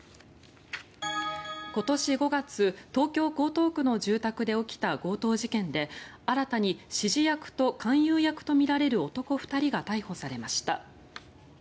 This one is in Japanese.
今年５月、東京・江東区の住宅で起きた強盗事件で新たに指示役と勧誘役とみられる男２人が逮捕されました。